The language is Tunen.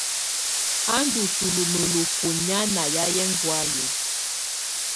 Á ndù sulù mǝlukù nyàà ná yayɛ ɛŋgɔ̀áyɛ.